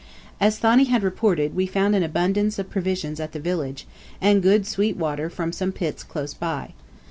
As Thani had reported, we found an abundance of provisions at the village, and good sweet water from some pits close by.